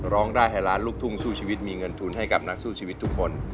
ร้องได้ให้ล้านลูกทุ่งสู้ชีวิตมีเงินทุนให้กับนักสู้ชีวิตทุกคน